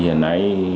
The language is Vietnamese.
bộ hồng tài